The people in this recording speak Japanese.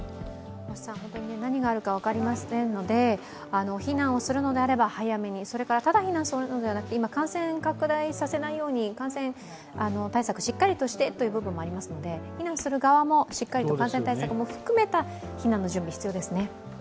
本当に何があるか分かりませんので、避難するのであれば早めにそれからただ避難するのではなく今、感染拡大させないように、感染対策をしっかりしてという部分もありますので避難する側もしっかりと感染対策も含めた避難の準備が必要ですね。